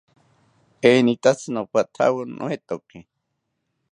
Enitatzi nopathawo noetoki